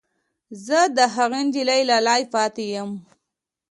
زه د هغې نجلۍ لالی پاتې یم